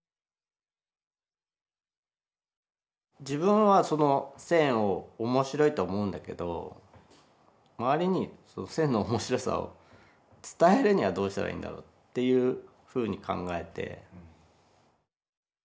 自分はその線を面白いと思うんだけど周りに線の面白さを伝えるにはどうしたらいいんだろうっていうふうに考えて。